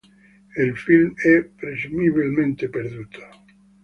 Il film è presumibilmente perduto.